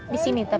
di sini tetap